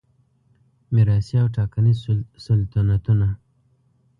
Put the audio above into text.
میراثي او ټاکنیز سلطنتونه